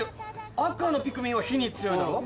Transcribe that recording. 赤のピクミンは火に強いだろ。